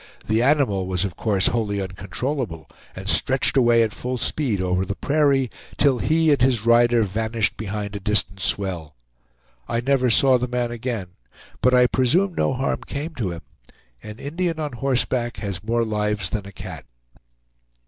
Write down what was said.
The animal was of course wholly uncontrollable, and stretched away at full speed over the prairie, till he and his rider vanished behind a distant swell. I never saw the man again, but I presume no harm came to him. An Indian on horseback has more lives than a cat.